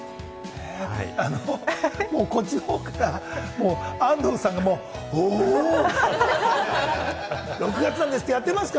こっちの方から安藤さんが、「お！」。６月なんですって、やってますか？